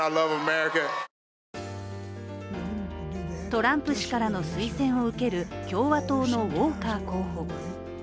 トランプ氏からの推薦を受ける共和党のウォーカー候補。